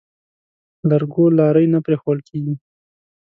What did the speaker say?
لرګو لارۍ نه پرېښوول کېږي.